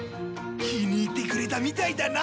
気に入ってくれたみたいだな。